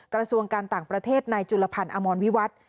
กระทรวงการต่างประเทศนายจุลพันธ์อมรวิวัตร